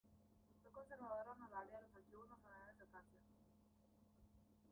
Fue conservadora honoraria de los Archivos Nacionales de Francia.